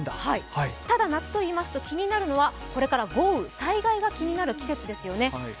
ただ、夏といいますと気になるのはこれから豪雨、災害が気になる季節ですよね。